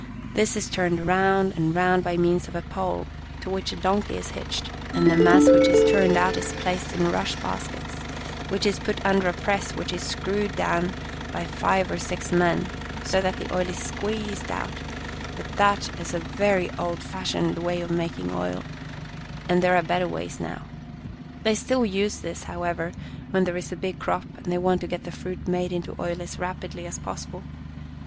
This is turned round and round by means of a pole to which a donkey is hitched, and the mass which is turned out is placed in rush baskets, which are put under a press which is screwed down by five or six men, so that the oil is squeezed out, but that is a very old fashioned 82 Our Little Spanish Cousin way of making oil, and there are better ways now. They still use this, however, when there is a big crop, and they want to get the fruit made into oil as rapidly as possible.